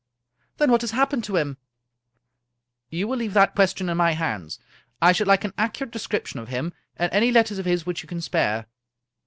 " Then what has happened to him ?"" You will leave that question in my hands. I should like an accurate description of him, and any letters of his which you can spare."